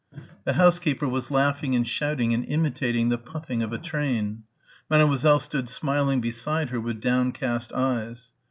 The housekeeper was laughing and shouting and imitating the puffing of a train. Mademoiselle stood smiling beside her with downcast eyes.